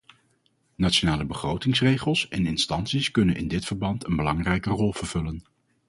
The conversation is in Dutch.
Nationale begrotingsregels en instanties kunnen in dit verband een belangrijke rol vervullen.